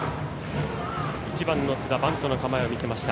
１番の津田、バントの構え。